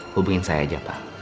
hubungin saya aja pak